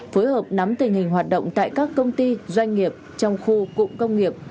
phối hợp nắm tình hình hoạt động tại các công ty doanh nghiệp trong khu cụm công nghiệp